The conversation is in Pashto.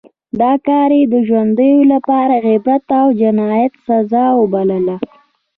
دا کار یې د ژوندیو لپاره عبرت او د جنایت سزا وبلله.